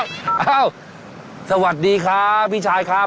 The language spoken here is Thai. สวัสดีครับพี่ชายครับ